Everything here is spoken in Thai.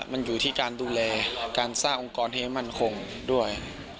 มันอยู่ที่การดูแลการสร้างองค์กรที่ให้มั่นคงด้วย